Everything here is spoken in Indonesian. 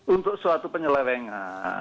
untuk suatu penyelewengan